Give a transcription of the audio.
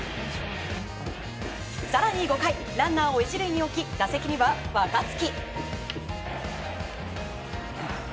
更に５回、ランナーを１塁に置き打席には若月。